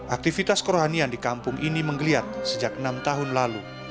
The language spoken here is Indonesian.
aktivitas kerohanian di kampung ini menggeliat sejak enam tahun lalu